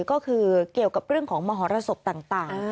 ก็คือเกี่ยวกับเรื่องของมหรสบต่าง